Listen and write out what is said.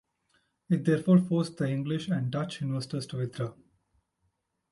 It therefore forced the English and Dutch investors to withdraw.